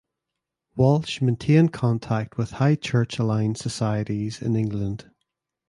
Walsh maintained contact with high church aligned societies in England.